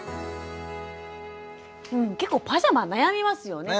結構パジャマ悩みますよね。